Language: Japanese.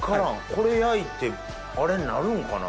これ焼いてあれになるんかな？